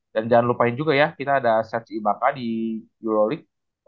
dan jangan lupain juga ya kita ada serge ibaka di euroleague